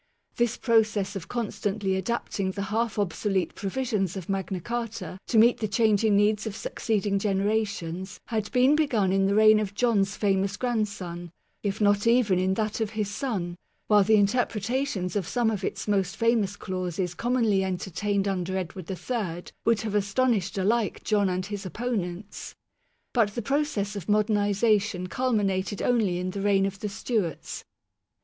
This process of constantly adapting the half obsolete provisions of Magna Carta to meet the changing needs of succeeding generations had been begun in the reign of John's famous grand son, if not even in that of his son ; while the interpreta tions of some of its most famous clauses commonly entertained under Edward III would have astonished alike John and his opponents. But the process of modernization culminated only in the reigns of the Stewarts.